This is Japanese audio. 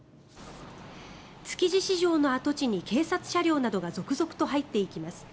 築地市場の跡地に警察車両などが続々と入っていきます。